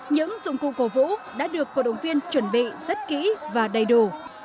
những dụng cụ cổ vũ đã được cổ động viên chuẩn bị rất kỹ và đầy đủ